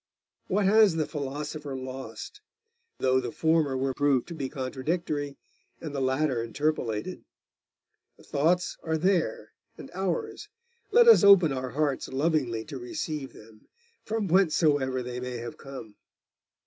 What has the philosopher lost, though the former were proved to be contradictory, and the latter interpolated? The thoughts are there, and ours, Let us open our hearts lovingly to receive them, from whencesoever they may have come.